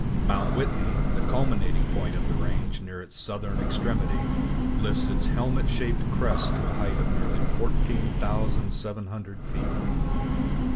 Mount Whitney, the culminating point of the range near its southern extremity, lifts its helmet shaped crest to a height of nearly 14,700 feet.